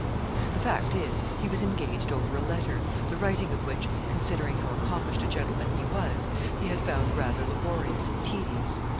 The fact is, he was engaged over a letter, the writing of which, considering how accomplished a gentleman he was, he had found rather laborious and tedious.